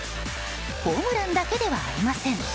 ホームランだけではありません。